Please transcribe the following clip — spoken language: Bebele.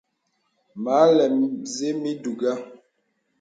Mə alɛm zə̀ mì dùgha.